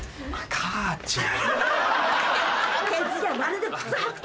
母ちゃん。